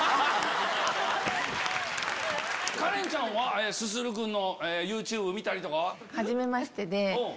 カレンちゃんはＳＵＳＵＲＵ君のＹｏｕＴｕｂｅ見たりは？